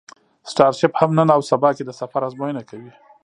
سټارشیپ هم نن او سبا کې د سفر ازموینه کوي.